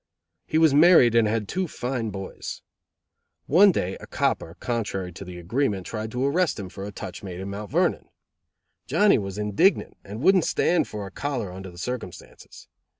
He was married and had two fine boys. One day a copper, contrary to the agreement, tried to arrest him for a touch made in Mt. Vernon. Johnny was indignant, and wouldn't stand for a collar under the circumstances.